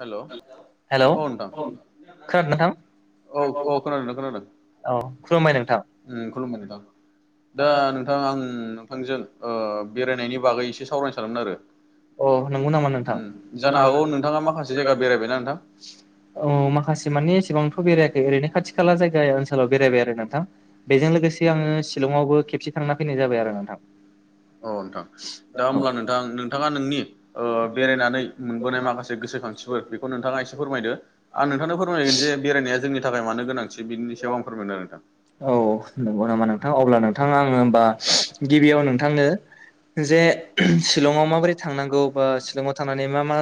हेल' औ हेलौ नोंथां खोनादों नोंथां? औ औ खोनादों खोनादों औ खुलुमबाय नोंथां उम खुलुमबाय नोंथां आं बिथांजों बेरायनायनि बागै एसे सावरायनो सानोन आरो। औ नंगौ नामा नोंथां जानो हागौ नोंथाङा माखासे जायगा बेरायबायना नोंथां औ माखासे मानि एसेबांथ बेरायाखै ओरैनो खाथि खाला जायगा ओनसोलाव बेरायबाय आरो नोंथां। बेजों लोगोसे आङो शिलंआवबो खेबसे थांना फैनाय जाबाय आरो नोंथां। औ नोंथां दा होमब्ला नोंथां नोंथाङा नोंनि बेरायनानै मोनबोनाय माखासे गोसोखांथिफोर बेखौ नोंथाङा एसे फोरमायदो आं नोंथांनो फोरमायगोन जे बेरायनाया जोंनि थाखाय मानो गोनांथि बिनि सायाव आं फोरमायदों आरो नोंथां। औ नंगौ नामा नोंथां अब्ला नोंथाङा आङो होनबा गिबियाव नोंथांनो जे शलंआव माबोरै थांनांगौ शलंाव थानानै मा मा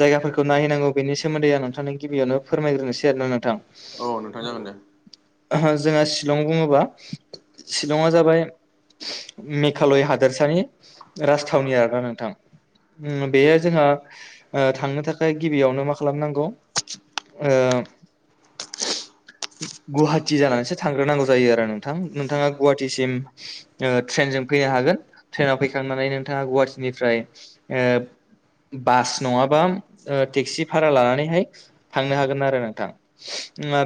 जायगाफोरखौ नायहनांगौ बेनि सोमोन्दै आं नोंथांनो गिबियावनो फोरमायग्रोनोसै आरो नों औ नोंथां जागोन दे। जोंहा शिलं बुङोबा शिलंआ जाबाय मेघालय हादोरसानि राजथावनि आरा नोंथां। बेयो जोंहा थांनो थाखाय गिबियावनो मा खालामनांगौ ओ [inaudible] गुवाहाटि जानानैसो थांग्रोनांगौ जायो आरो नोंथां नोंथाङा गुवाहाटिसिम ओ ट्रेनजों फैया हागोन ट्रेनाव फैखांनानै नोंथाङा गुवाहाटिनिफ्राय ओ बास नङाबा ओ टेक्सि भारा लानानैहाय थांनो हागोन आरो नोंथां।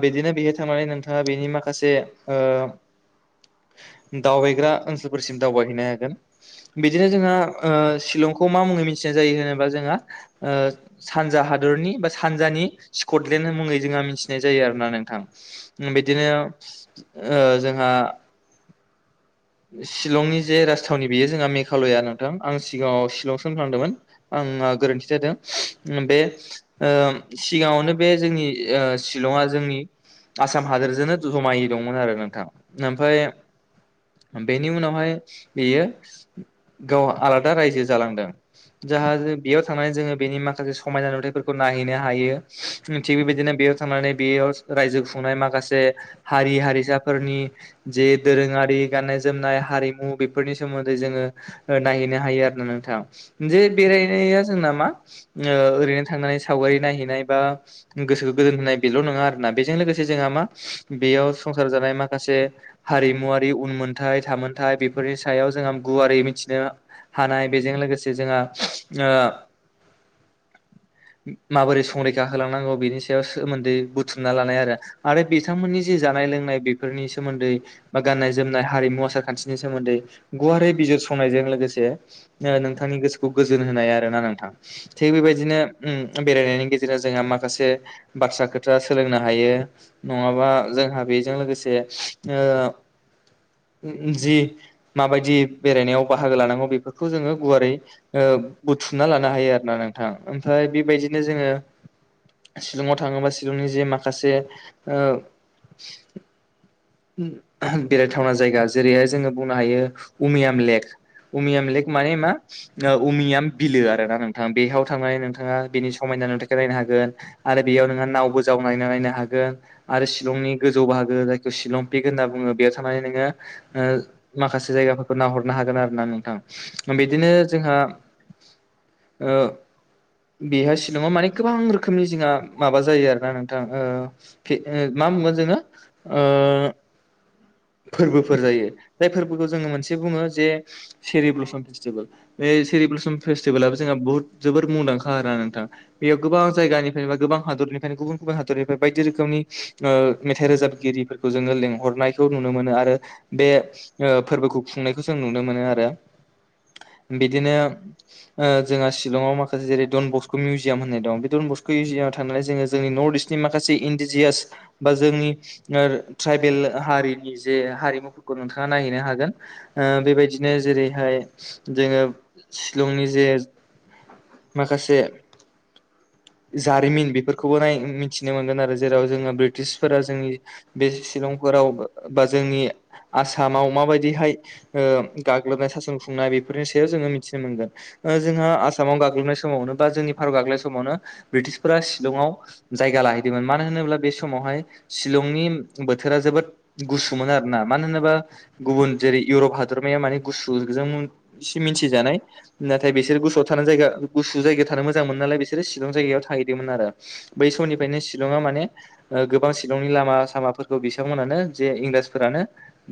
बिदिनो बेहाय थांनानै नोंथाङा बेनि माखासे ओ दावबायग्रा ओनसोलफोरसिम दावबायहैनो हागोन बिदिनो जोंहा ओ शिलं मा मुङै मिथिनाय जायो होनोबा जोंहा ओ सानजा हादरनि बा सानजानि स्कटलेण्ड मुङै जोंहा मिथिनाय जायो आरोना नोंथां बिदिनो ओ जोंहा [inaudible] शिलंनि जे राजथावनि बेयो जोंहा मेघालया नोंथां आं सिगाङाव फ्लांदोंमोन आंना गोरोन्थि जादों बे ओ सिगाङावनो बे जोंनि ओ शिलंआ जोंनि आसाम हादोरजोंनो ज'मायै दंमोन आरो नोंथां ओमफाय [inaudible] बेनि उनावहाय बेयो गाव आलादा रायजो जालांदों जाहा बेयाव थांनानै जोङो बेनि माखासे समायना नुथफोरखौ नायहैनो हायो। थिग बेबायदिनो बेयाव थांनानै बेयाव रायजो खुंनाय माखासे हारि हारिसाफोरनि जे दोरोङारि गाननाय जोमनाय हारिमु बेफोरनि सोमोन्दै जोङो नायहैनो हायो आरो नो जे बेरायनाया जोंना मा ओ ओरैनो थांनानै सावगारि नायहैनाय बा गोसोखौ गोजोन होनाय बेल' नङा आरोना बेजों लोगोसे जोंहा मा बेयाव संसार जानाय माखासे हारिमुवरारि उनमोनथाय थामोनथाय बेफोरनि सायाव जोंहा गुवारै मिथिनो हानाय बेजों लोगोसे जोंहा ओ माबोरै संरैखा होलांनांगौ बेनि सायाव सोमोन्दै बुथुमना लानाय आरो बिथांमोननि जे जानाय लोंनाय बेफोरनि सोमोन्दै बा गाननाय-जोमनाय हारिमु आसार खान्थिनि सोमोन्दै गुवारै बिजिरसं नायजों लोगोसे ओ नोंथांनि गोसोखौ गोजोन होनाय आरो ना नोंथां थिग बेबायदिनो ओम बे गेजेरजों जोंहा माखासे बाथ्रा खोथा सोलोंनो हायो नङाबा जोंहा बेजों लोगोसे ओ [inaudible] जि माबायदि बेरायनायाव बाहागो लानांगौ बेफो जों गुवारै ओ बुथुमना लानो हायो आरोना नोंथां ओमफ्राय बेबायदिनो जोङो शिलंआव थाङोबा शिलंनि जे माखासे ओ बेरायथावना जायगा जेरैहाय जोङो बुंनो हायो उमियाम लेक उमियाम लेक माने मा ओ उमियाम बिलो आरोना नोंथां बेहयाव थांनानै नोंथाङा बेनि समाय ना नुथायखौ नायनो हागोन आरो बेयाव नोंहा नावबो जाव नायना नायनो हागोन आरो शिलंनि गोजौ बाहागो जायखौ सिलंपिक होनना बुङो माने नोङो ओ माखासे जायगाफोरखौ नाहरनो हागोन आरोना नोंथां बिदिनो जोंहा [inaudible] ओ बेहा शिलंआव माने गोबां रोखोमनि जोंहा माबा जायो आरोना नोंथां ओ फि ओ मा बुंगोन जोङो ओ [inaudible] फोरबोफोर जायो बे फोरबोखौ जोङो मोनसे बुङो जे सेरि ब्लसम फेस्टिभेल बे सेरि ब्लसुम फेसटिभलाबो जोंहा बहुद जोबोद मुंदांखा आरोना नोंथां बेयाव गोबां जायगानिफ्राय बा गोबां हादर निफ्राय गुबुन गुबुन हादरनिफ्राय बायदि रोखोमनि ओ मेथाइ रोजाबगिरिफोरखौ जोङो लिङो हरनायखौ नुनो मोनो आरो बे ओ फोरबोखौ खुंनायखौ जों नुनो मोनो आरो। [inaudible] बिदिनो ओ जोंहा शिलंआव माखासे जेरै डन बस्क' मिउजियाम होननाय दं बे डन बस्क' मिउजियाम थांनानै जोङो जोंनि नर्थ इस्टनि माखासे इनडिजियास बा जोंनि ट्राइबेल हारिनि जे हारिमुफोरखौ नोंथाङा नायहैनो हागोन बेबायदिनो जेरैहाय जोङो शिलंनि जे माखासे जारिमिन बेफोरखौबो नाय मिथिनो मोनगोन आरो जेराव जोङो ब्रिटिशफोरा जोंनि बे शिलंफोराव बा जोंनि आसामाव माबायदिहाय ओ गाग्लोब सासन खुंनाय बेफोरनि जोङो मोथिनो मोनगोन ओ जोंहा आसामाव गाग्लोबनाय समावनो बा जोंनि भारताव गाग्लोब समावनो बृटिसफोरा शिलंआव जायगा लाहैदोंमोन मानो होनोब्ला बे समावहाय बोथोरा जोबोर गुसु मोन आरोना मानो होनोबा गुबुन जेरै इउरप हादरमाया माने गुसु जों इसे मिथिजानाय नाथाय बिसोर गुसुआव थानो जायगा गुसु जायगायाव थानो मोजां मोन बिसोरो शिलं जायगायाव थाहैदोंमोन आरो बै समनिफ्रायनो शिलंआ माने गोबां सि नि लामा सामाफोरखौ बिथांमोनानो जे इंराजफोरानो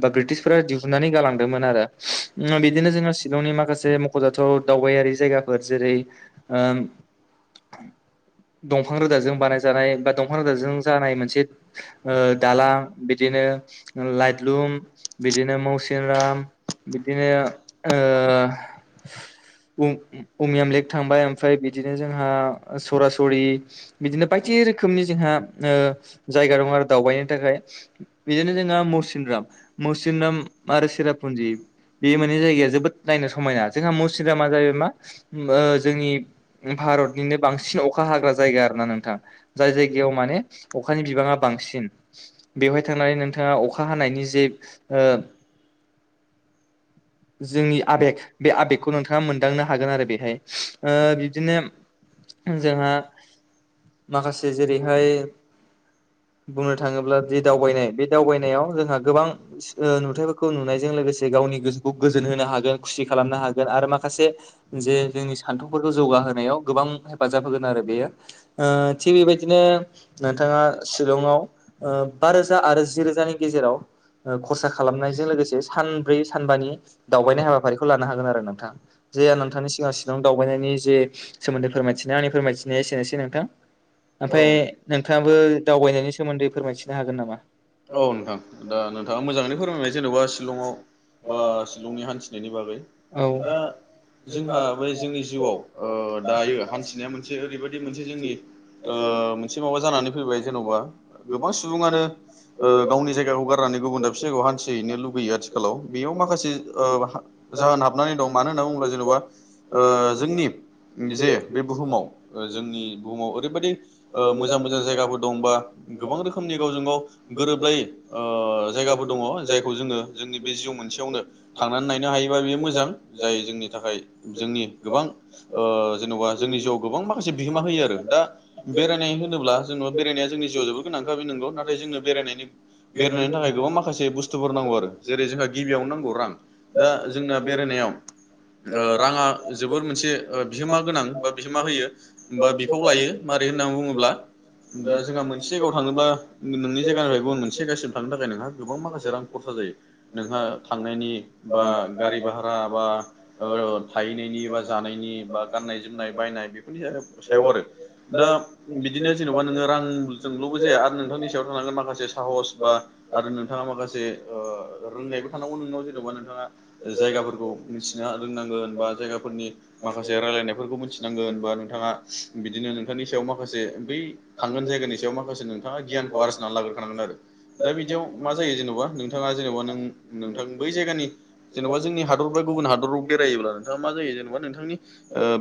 बा ब्रिटिसफोरा दिहुननानै गालांदोंमोन आरो ‌। बिदिनो जोहा शिलंनि माखासे मख'जाथाव दावबायारि जायगाफोर जेरै ओ [inaudible] दंफां रोदाजों बानायजानाय बा दंफां रोदाजों जानाय मोनसे ओ दालां बिदिनो लाइदलुम बिदिनो मौसिन राम बिदिनो ओ बु अमियाम लेक थांबाय ओमफ्राय बिदिनो जोंहा सरासरि बिदिनो बायदि रोखोमनि जोंहा ओ जायगा दं आरो दावबायनो थाखाय। बिदिनो जोंहा मुरसिनराम मुरसिनराम आरो सिरापुन्जि बे मोननै जायगाया जोबोद नायनो समायना जोंहा मुरसिनरामा जाहैबाय मा ओ जोंनि भारतनिनो बांसिन अखा हाग्रा जायगा आरो ना नोंथां जाय जायगायाव माने अखानि बिबाङा बांसिन बेवहाय थांनानै नोंथाङा अखा हानायनि जे ओ [inaudible] जोंनि आबेग बे आबेगखौ नोंथाङा मोनदांनो हागोन आरो बेहाय ओ बिबदिनो जोंहा माखासे जेरैहाय बुंनो थाङोब्ला जे दावबायनाय बे दावबायनायाव जोंहा गोबां नुथाइफोरखौ नुनायजों लोगोसे गावनि गोसोखौ गोजोन होनो हागोन खुसि खालामनो हागोन आरो माखासे जे जोंनि सान्थौफोरखौ जौगा होनायाव गोबां हेफाजाब होगोन आरो बेयो थिग बेबायदिनो नोंथाङा आव बा रोजा आरो जि रोजानि गेजेराव खरसा खालामनायजों लोगोसे सानब्रै सानबानि दावबायनाय हाबाफारिखौ लानो हागोन आरो नोंथां। जे नोंथांनि सिगां सिलंयाव दावबायनायनि जे सोमोन्दै फोरमायथिनाय आंनि फोरमायथिनाया एसेनोसै नोंथां। ओमफ्राय औ नोंथाङाबो दावबायनायनि सोमोन्दै फोरमायथिनो हागोन। नामा? औ नोंथां दा नोंथाङा मोजाङै फोरमायबाय जेनेबा शिलंआव बा शिलंनि हान्थिनायनि बागै। औ दा जोंहा बे जोंनि जिउआव दायो हान्थिनाया मोनसे ओरैबायदि मोनसे जोंनि मोनसे माबा जानानै फैबाय। जेन'बा गोबां सुबुङानो गावनि जायगाखौ गारनानै गुबुन दाबसे जायगायाव हान्थिहैनो लुगैयो आथिख आथिखालाव बेयाव माखासे जाहोन हाबनानै दं मानो होनना बुङोब्ला जेन'बा जोंनि जे बे बुहुमाव जोंनि बुहुमाव ओरैबायदि मोजां मोजां जायगाफोर दं बा गोबां रोखोमनि गावजों गाव गोरोबलायै जायगाबो दङ जायखौ जोङो जोंनि बे जिउ मोनसेयावनो थांनानै नायनो हायोबा बे मोजां जाय जोंनि थाखाय जोंनि गोबां जेन'बा जोंनि जिउआव गोबां माखासे बिहोमा होयो आरो दा बेरायनाय होनोब्ला जोङो बेरायनाया जोंनि जिउआव जोबोद गोनांखा बे नंगौ नाथाय जोंनो बेरायनायनि बेरायनायनि थाखाय गोबां माखासे बुस्थुफोर नांगौ आरो। जेरै जोंहा गिबियावनो नांगौ रां दा जोंना बेरायनायाव राङा जोबोर मोनसे बिहोमा गोनां बा बिहोमा होयो बा बिफाव लायो। होननानै बुङोब्ला जोंहा मोनसे जायगायाव थाङोब्ला नोंनि जायगानिफ्राय गुबुन मोनसे जायगासिम थांनो थाखाय नोंहा गोबां माखासे रां खरसा जायो। नोंहा थांनायनि बा गारि भारा बा थाहैनायनि बा जानायनि बा गाननाय जोमनाय बायनाय बेफोरनि सायाव आरो दा बिदिनो जेन'बा नोङो रांजोंल'बो जाया आरो नोंथांनि सायाव थांनांगोन माखासे साहस बा आरो नोंथाङा माखासे रोंनायबो थानांगौ नोंनाव जेन'बा नोंथाङा जायगाफोरखौ मिथिनो रोंनांगोन बा जायगाफोरनि माखासे रायलायनायफोरखौ मिथिनांगोन बा नोंथाङा बिदिनो नोंथांनि सायाव माखासे बै थांगोन जायगानि सायाव माखासे नोंथाङा गियानखौ आरजिना लाग्रोखानांगोन आरो। दा बिदियाव मा जायो जेनबा नोंथाङा जेनबा नों नोंथां बै जायगानि जेन'बा जोंनि हादर बा गुबुन हादराव बेरायोब्ला नोंथाङा मा जायो जेनेबा नोंथांनि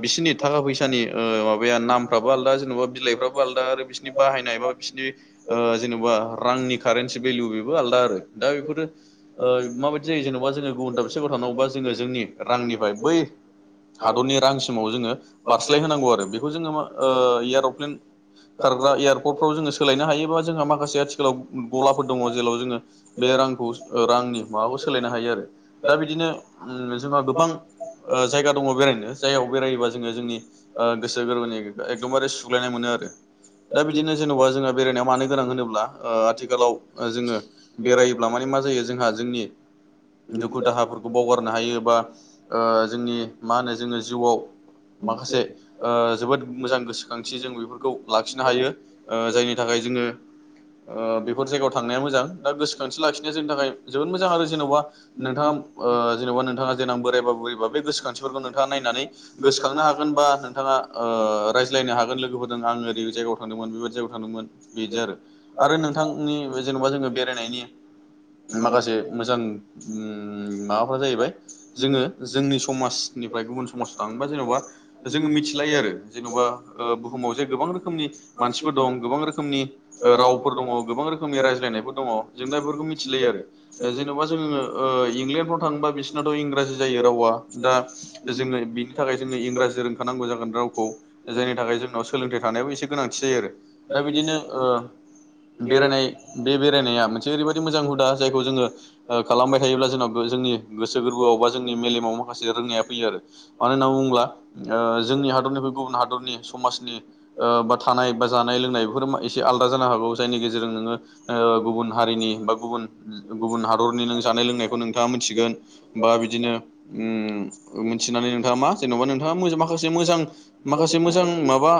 बिसिनि थाखा फैसानि माबाया नामफ्राबो आलदा जेन'बा बिलाइफ्रा आलदा आरो बिसिनि बाहायनाय एबा बिसिनि जेन'बा रांनि कारन्सि भेलु बेबो आलदा आरो। दा बेफोरो माबायदि जायो जेन'बा जोङो गुबुन थाबसे जायगायाव थानांगौबा जोङो जोंनि रांनिफ्राय बै हादरनि रांसिमाव जोङो बारस्लाय होनोनांगौ आरो बेखौ जोङो एयार'प्लेन खारग्रा एयारपर्टफ्राव जोङो सोलायनो हायोबा जोंहा माखासे आथिखालाव गलाफोर दङ जेराव जोङो बे रांनि माबाखौ सोलायनो हायो आरो दा बिदिनो जोंहा गोबां जायगा दङ बेरायनो जायगायाव बेरायोबा जोङो जोंनि गोसो गोरबोनि एखदमबारे सुग्लायनाय मोनो आरो। दा बिदिनो जेन'बा जोंहा बेरायनायाव मानो गोनां होनोब्ला आथिखालाव जोङो बेरायोब्ला माने मा जायो जोंहा जोंनि दुखु दाहाफोरखौ बावगारनो हायो बा जोंनि मा होनो जोङो जिउआव माखासे जोबोद मोजां गोसोखांथि जों बेफोरखौ लाखिनो हायो जायनि थाखाय जोङो बेफोर जायगायाव थांनाया मोजां दा गोसोखांथि लाखिनाया जोंनि थाखाय जोबोद मोजां आरो जेन'बा नोंथाङा जेन'बा नोंथाङा देनां बोरायबा बुरैबा बे गोसोखांथिफोरखौ नोंथाङा नायनानै गोसोखांनो हागोन। बा नोंथाङा ओ रायज्लायनो हागोन लोगोफोरदों आङो नैबे जायगायाव थांदोंमोन बेबायदि जायगायाव थांदोंमोन बिदि आरो नोंथांनि जेनबा जोङो बेरायनायनि माखासे मोजां माबाफ्रा जाहैबाय जोङो जोंनि समाजनिफ्राय गुबुन समाजाव थाङोबा जेन'बा जोङो मिथिलायो आरो जेन'बा ओ बुहुमाव जे गोबां रोखोम नि मानसिफोर दं गोबां रोखोमनि ओ रावफोर दङ गोबां रोखोमनि रायज्लायनायफोर दङ जों दा बेफोरखौ मिथिलायो आरो जेन'बा जोङो ओ इंलेण्डफ्राव थाङोबा बिसोरनाथ' इंराजि जायो रावा दा जोङो बिनि थाखाय जोंनो इंराजि रोंखानांगौ जागोन रावखौ जायनि थाखाय जोंनाव सोलोंथाइ थानायाबो एसे गोनांथि जायो आरो दा बिदिनो ओ बेरायनाय बे बेरायनाया मोनसे ओरैबायदि मोजां हुदा जायखौ जोङो ओ खालामबाय थायोब्ला जोंनाव जोंनि गोसो गोरबोआव बा जोंनि मेलेमाव माखासे रोंनाया फैयो आरो मानो होनना बुङोब्ला ओ जोंनि हादरनि बै गुबुन हादरनि समाजनि ओ बा थानाय बा जानाय लोंनाय बेफोर एसे आलदा जानो हागौ जायनि गेजेरजों नोङो ओ गुबुन हारिनि बा गुबुन गुबुन हादर नि जानाय लोंनायखौ नोंथाङा मोनथिगोन बा बिदिनो मोनथिनानै नोंथाङा मा नोंथाङा माखासे मोजां माखासे मोजां माबा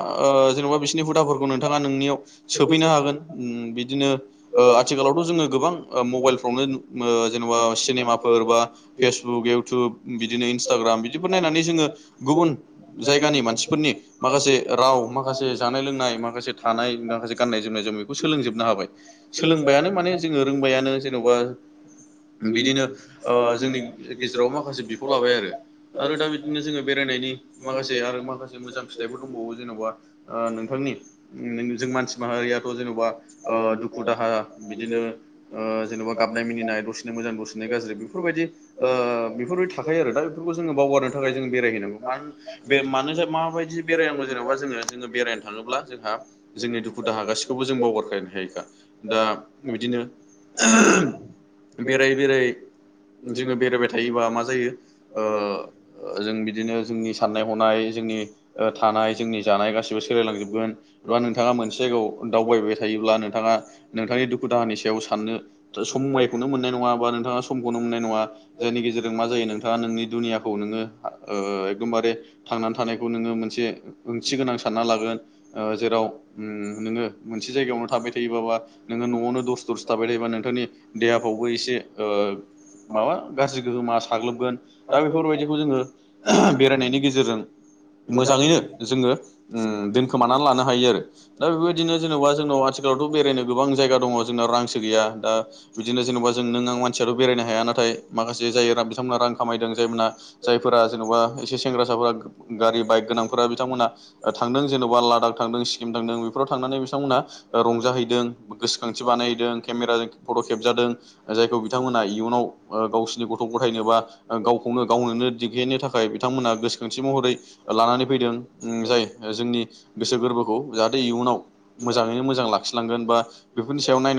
ओ जेनबा बिसिनि हुदाफोरखौ नोंथाङा नोंनियाव सोफैनो हागोन बिदिनो ओ आथिखालावथ' जोङो गोबां ओ मबाइलफ्रावनो नु जेन'बा सिनेमाफोर बा फेसबुक इउटुब बिदिनो इनसटाग्राम बिदिफोर नायनानै जोङो गुबुन जायगानि मानसिफोरनि माखासे राव मा माखासे जानाय लोंनाय माखासे थानाय माखासे गाननाय जोमनाय जों बेखौ सोलोंजोबनो हाबाय सोलोंबायानो माने जों जोंनो रोंबायानो जेन'बा बिदिनो ओ जोंनि गेजेराव माखासे बिफाव लाबाय आरो आरो दा बिदिनो जोङो बेरायनायनि माखासे आरो माखासे मोजां फिथाइफोर दंबावो जेन'बा ओ नोंथांनि जों मानसि माहारियाथ जेनबा ओ दुखु दाहा बिदिनो जेनेबा गाबनाय मिनि नाय दसेनो मोजां लासेनो गाज्रि बेफोरबादि ओ थाखायो आरो बे जों बावगारनो थाखाय बेरायहैनांगौ मा मानो माबायदि बेरायनांगौ जेनेबा जोङो जोङो बेरायनो थाङोब्ला जोंहा जोंनि दुखु दाहा गाससिखौबो जों बावगारखनो हायोखा दा बिदिनो बेरायै बेरायै [unintelligible] जोङो बेरायबाय थायोबा मा जायो ओ जों बिदिनो जोंनि साननाय हनाय जोंनि ओ थानाय जोंनि जानाय गासिबो सोलायलांजोबगोन एा नोंथाङा मोनसे जायगायाव दावबाय थायोब्ला नोंथाङा नोंथांनि दुखु दाहानि सायाव साननो [unintelligible] समायखौनो मोननाय नङा बा नोंथाङा समखौनो मोननाय नङा जायनि गेजेरजों मा जायो नोंथाङा नोंनि दुनियाखौ नोङो ओ एकदमबारे थांनानै थानायखौ नोङो मोनसे ओंथि गोनां ना लागोन ओ जेराव नोङो मोनसे जायगायावनो थाबाय थायोब्ला न'वावनो दसे [unintelligible] खुस थाबाय थायोब्ला नोंथांनि देहाफ्रावबो एसे माबा गाज्रि गोहोमा साग्लोबगोन दा बेफोरबायदिखौ जोङो बेरायनायनि गेजेरजों मोजाङैनो जोङो दोनखोमानानै लानो हायो आरो दा बेबायदिनो जेन'बा जोंनाव आथिखालावथ बेरायनो गोबां जायगा दङ जोंनाव रांसो गैया ओ बिदिनो जेनबा जों नों आं मानसियाथ बेरायनो हाया नाथाय माखासे जाय बिथांमोनहा रां खामायदों जायमोनहा जायफोर जेनबा एसे सेंग्रासाफोरा गारि बाइक गोनांफोरा बिथांमोना ओ थांदों जेनबा लादाख थांदों सिक्किम थांदों बेफोराव थांनानै बिथांमोना ओ रंजाहैदों औ गोसोखांथि बानाय नायदों केमेराजों फट' खेबजादों जायखौ बिथांमोना इयुनाव गावसिरनि गथ' गथायनो बा गावखौनो गावनोनो दिगनो थाखाय बिथांमोना गोसोखांथि महरै लानानै फैदों जाय जोंनि गोसो गोरबोखौ जाहाथे इयुनाव मोजाङैनो मोजां लाखिलांगोन बा बेफोरनि सायाव नाय